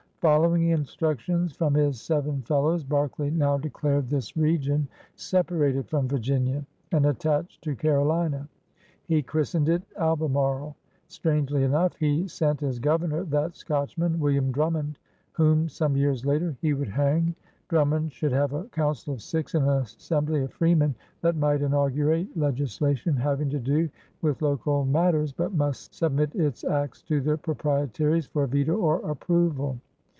Following instructions from his seven fel lows Berkeley now declared this region separated from Virginia and attached to Carolina. He chris tened it Albemarle. Strangely enough, he sent as Governor that Scotchman, William Drummond, whom some years later he would hang. Drum mond should have a Council of six and an Assembly of freemen that might inaugurate legislation hav ing to do with local matters but must submit its acts to the Proprietaries for veto or approval.